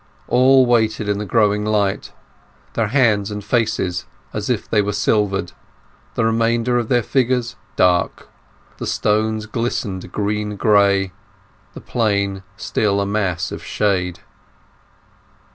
All waited in the growing light, their faces and hands as if they were silvered, the remainder of their figures dark, the stones glistening green gray, the Plain still a mass of shade.